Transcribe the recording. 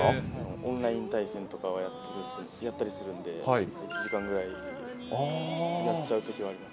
オンライン対戦とかをやったりするんで、１時間ぐらいやっちゃうときはあります。